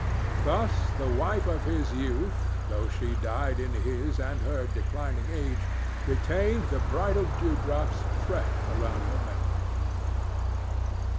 Thus the wife of his youth, though she died in his and her declining age, retained the bridal dewdrops fresh around her memory.